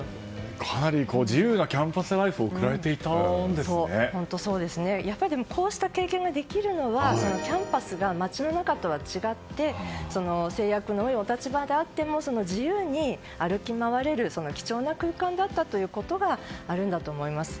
かなり自由なキャンパスライフをやっぱりでもこうした経験ができるのはキャンパスが街の中とは違って制約の多いお立場であっても自由に歩き回れる貴重な空間だったということがあるんだと思います。